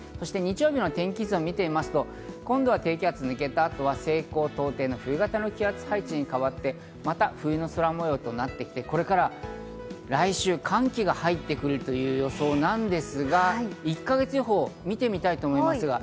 そして日曜日の天気図を見てみますと、今度は低気圧が抜けた後、西高東低の冬型の気圧配置に変わって、また冬の空模様となってきて、これから来週、寒気が入ってくるという予想なんですが、１か月予報を見てみたいと思います。